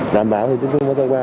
đảm bảo thì chúng tôi mới có qua